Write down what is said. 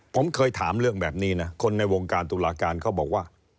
ผมเคยถามเรื่องแบบนี้นะคนในวงการตุลาการเขาบอกว่า